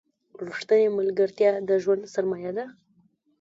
رښتینې ملګرتیا د ژوند سرمایه ده.